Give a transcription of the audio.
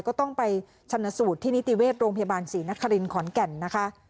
ก็ต้องไปชนสูตรที่นิติเวชโรงพยาบาลศรีนครินขอนแก่นนะคะ